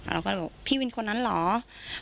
เราก็เลยบอกพี่วินคนนั้นเหรอ